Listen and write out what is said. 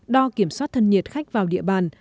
đo kiểm soát thân nhiệt khách vào địa bàn